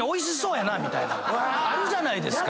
あるじゃないですか！